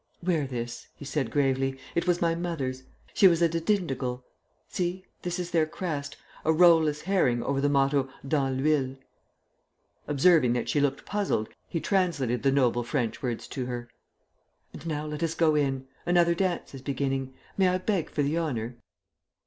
"Wear this," he said gravely. "It was my mother's. She was a de Dindigul. See, this is their crest a roe less herring over the motto Dans l'huile." Observing that she looked puzzled he translated the noble French words to her. "And now let us go in. Another dance is beginning. May I beg for the honour?"